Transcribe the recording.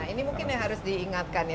ini mungkin yang harus diingatkan ya